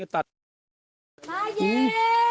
ตายีี๊ี๊ยน